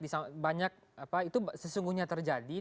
itu sesungguhnya terjadi